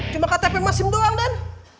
cuma ktp masin doang den